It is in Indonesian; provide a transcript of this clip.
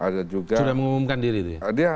sudah mengumumkan diri itu ya